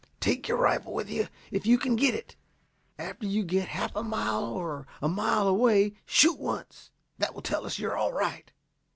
"Take your rifle with you, if you can get it. After you get half a mile or a mile away shoot once. That will tell us you are all right."